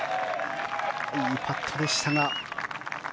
いいパットでしたが。